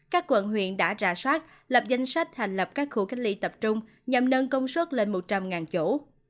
các quận huyện đã rà soát lập danh sách hành lập các khu cách ly tập trung nhằm nâng công suất lên một trăm linh chỗ